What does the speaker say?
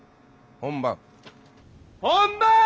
本番！